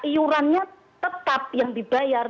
iurannya tetap yang dibayar